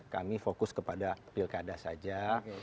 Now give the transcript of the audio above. kami fokus kepada pilkada saja